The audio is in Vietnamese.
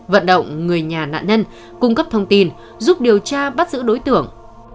vận động người nhà nạn nhân cung cấp thông tin giúp điều tra bắt giữ đối tượng